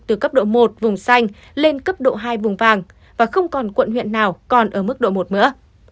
từ cấp độ một vùng xanh lên cấp độ hai vùng vàng và không còn quận huyện nào còn ở mức độ một nữa